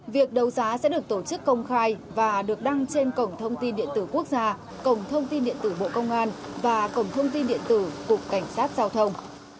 việc đấu giá sẽ được tổ chức công khai và được đăng trên cổng thông tin điện tử quốc gia cổng thông tin điện tử bộ công an và cổng thông tin điện tử cục cảnh sát giao thông